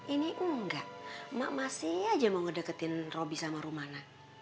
ini enggak emak masih aja mau ngedeketin roby sama rumana